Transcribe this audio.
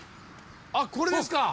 あっこれですか？